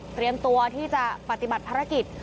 เตรียมตัวที่จะปฏิบัติภารกิจ